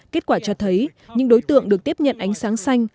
kết quả cho thấy những đối tượng được tiếp nhận ánh sáng xanh